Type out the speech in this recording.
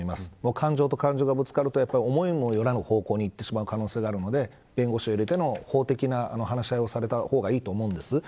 感情と感情がぶつかると思いもよらぬ方向にいってしまう可能性があるので弁護士を入れての法的な話し合いをされた方がいいと思うんです。